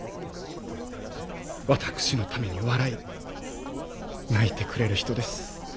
私のために笑い泣いてくれる人です。